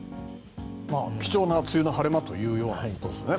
貴重な梅雨の晴れ間ということですね。